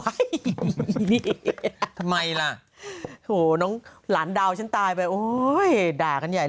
ไว้นี่ทำไมล่ะโถน้องหลานดาวฉันตายไปโอ้ยด่ากันใหญ่